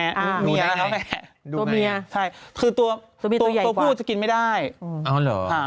เมียตัวเมียใช่คือตัวตัวผู้จะกินไม่ได้เอาเหรอ